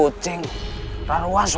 lihatlah germans mendatangmu tadi